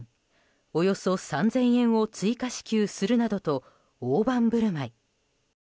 およそ３０００円を追加支給するなどと大盤振る舞い。